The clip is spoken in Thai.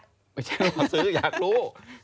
ไม่ใช่ว่าซื้ออยากรู้